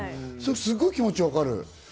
すごい、気持ちわかる。